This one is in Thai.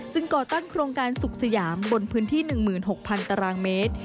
ซึ่งก่อตั้งโครงการสุขสยามบนพื้นที่๑๖๐๐ตารางเมตร